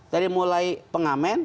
dari mulai pengamen